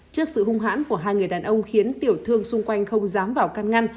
trước sự hung hãn của hai người đàn ông khiến tiểu thương xung quanh không dám vào can ngăn